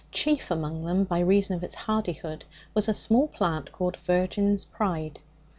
Chief among them, by reason of its hardihood, was a small plant called virgin's pride.